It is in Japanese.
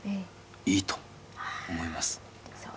いいと思います。